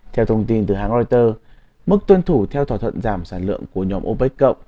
theo thông tin từ hãng reuters mức tuân thủ theo thỏa thuận giảm sản lượng của nhóm opec cộng